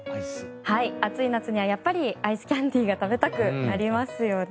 暑い夏にはやっぱりアイスキャンディーが食べたくなりますよね。